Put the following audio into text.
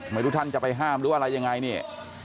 ไม่รู้ท่านจะไปห้ามหรืออะไรยังไงนี่